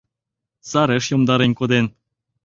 Сареш йомдарен коден.